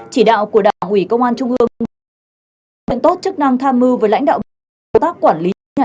chỉ đạo của đảng ủy công an trung ương nguyện tốt chức năng tham mưu với lãnh đạo bộ tác quản lý